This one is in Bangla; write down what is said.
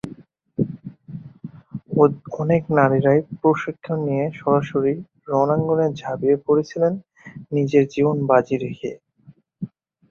অনেক নারীরাই প্রশিক্ষণ নিয়ে সরাসরি রণাঙ্গনে ঝাপিয়ে পড়েছিলেন নিজের জীবন বাজি রেখে।